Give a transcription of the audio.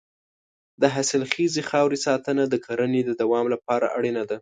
د حاصلخیزې خاورې ساتنه د کرنې د دوام لپاره اړینه ده.